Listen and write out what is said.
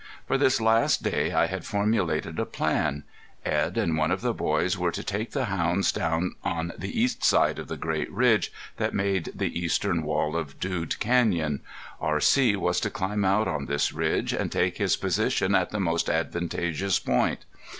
For this last day I had formulated a plan. Edd and one of the boys were to take the hounds down on the east side of the great ridge that made the eastern wall of Dude Canyon. R.C. was to climb out on this ridge, and take his position at the most advantageous point.